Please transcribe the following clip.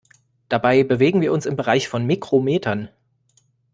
Dabei bewegen wir uns im Bereich von Mikrometern.